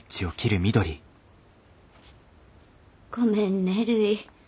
ごめんねるい。